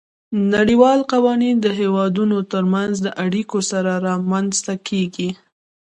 نړیوال قوانین د هیوادونو ترمنځ د اړیکو سره رامنځته کیږي